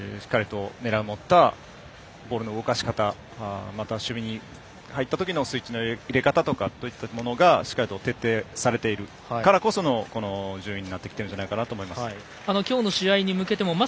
しっかりと狙いを持ったボールの動かし方、守備に入ったときのスイッチを入れ方そういったものがしっかり徹底されているからだからこそこの試合になってきてると思います。